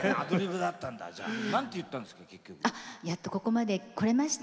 やっとここまで来れました